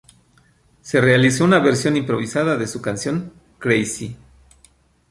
Se realizó una versión improvisada de su canción 'Crazy'.